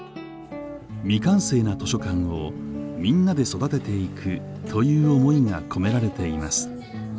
「未完成」な図書館をみんなで育てていくという思いが込められています。